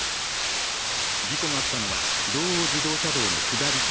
事故があったのは道央道の下り線